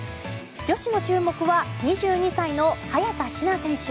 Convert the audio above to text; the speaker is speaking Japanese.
女子の注目は２２歳の早田ひな選手。